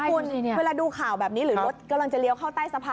คุณเวลาดูข่าวแบบนี้หรือรถกำลังจะเลี้ยวเข้าใต้สะพาน